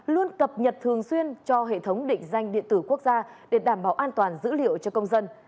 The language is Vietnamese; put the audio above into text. luôn cập nhật thường xuyên cho hệ thống định danh điện tử quốc gia để đảm bảo an toàn dữ liệu cho công dân